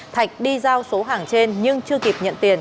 thạch đi giao số hàng trên nhưng chưa kịp nhận tiền